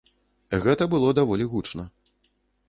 Гэта было даволі гучна.